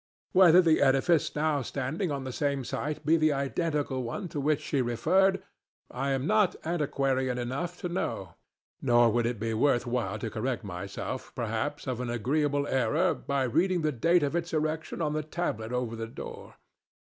Whether the edifice now standing on the same site be the identical one to which she referred I am not antiquarian enough to know, nor would it be worth while to correct myself, perhaps, of an agreeable error by reading the date of its erection on the tablet over the door.